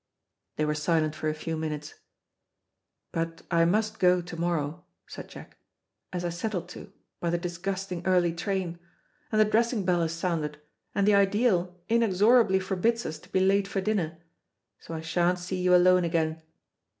They were silent for a few minutes. "But I must go to morrow," said Jack, "as I settled to, by the disgusting early train. And the dressing bell has sounded, and the ideal inexorably forbids us to be late for dinner, so I sha'n't see you alone again."